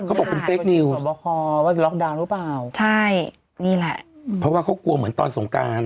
เขาบอกเป็นเฟคนิวบคอว่าจะล็อกดาวน์หรือเปล่าใช่นี่แหละเพราะว่าเขากลัวเหมือนตอนสงการ